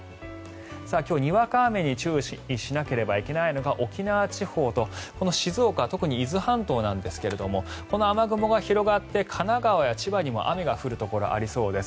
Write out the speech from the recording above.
今日、にわか雨に注意しなければいけないのが沖縄地方と静岡、特に伊豆半島なんですがこの雨雲が広がって神奈川や千葉にも雨が降るところがありそうです。